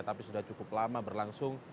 tapi sudah cukup lama berlangsung